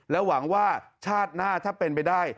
หวังว่าชาติหน้าถ้าเป็นไปได้